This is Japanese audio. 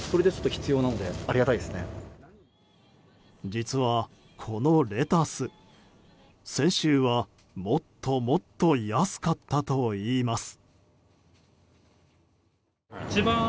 実は、このレタス先週はもっともっと安かったといいます。